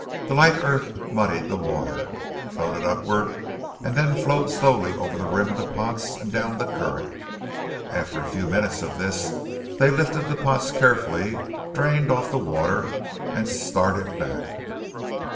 The light earth muddied the water, floated upward, and then flowed slowly over the rim of the pots and down the current. After a few minutes of this, they lifted the pots carefully, drained off the water, and started back.